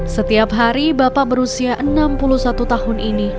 setiap hari bapak berusia enam puluh satu tahun ini